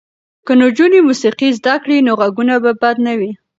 که نجونې موسیقي زده کړي نو غږونه به بد نه وي.